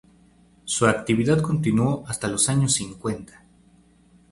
Su actividad continuó hasta los años cincuenta.